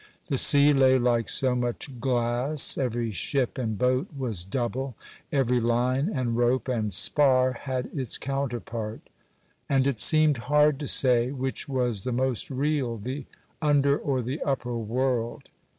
The sea lay like so much glass; every ship and boat was double; every line, and rope, and spar had its counterpart; and it seemed hard to say which was the most real, the under or the upper world.